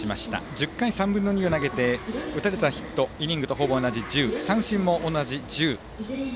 １０回３分の２を投げて打たれたヒットイニングと同じ１０三振も同じ１０。